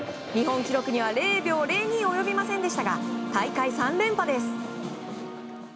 日本記録には０秒０２及びませんでしたが大会３連覇です。